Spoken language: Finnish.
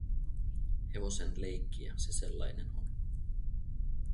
Hevosen leikkiä se sellainen on.